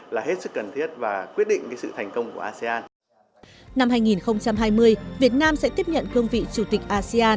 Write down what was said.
và các bạn biết rằng năm nay đại dịch của ông đã đến việt nam vào tháng tháng cuối